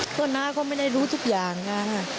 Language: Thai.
ก็น่าเขาไม่ได้รู้ทุกอย่างค่ะ